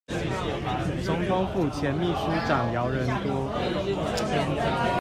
總統府前副祕書長姚人多